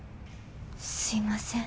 すいません。